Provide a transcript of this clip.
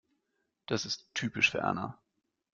Das ist typisch für Erna.